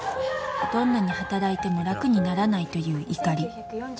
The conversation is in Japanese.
どんなに働いても楽にならないという怒り